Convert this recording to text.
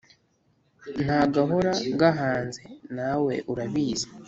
Ntagahora gahanze nawe urabizi